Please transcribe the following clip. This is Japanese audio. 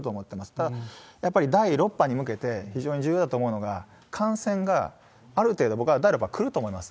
ただ、やっぱり第６波に向けて、非常に重要だと思うのが、感染がある程度僕はやっぱり来ると思います。